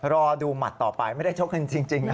รอดูหมัดต่อไปไม่ได้ชกกันจริงนะ